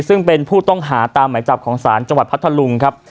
ซึ่งเป็นผู้ต้องหาตามหมายจับของศาลจังหวัดพัทธลุงครับ